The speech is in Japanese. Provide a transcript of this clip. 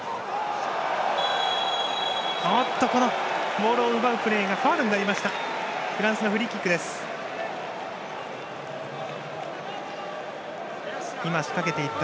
ボールを奪うプレーがファウルになりました。